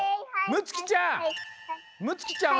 むつきちゃん！